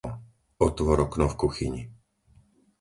Otvor okno v kuchyni.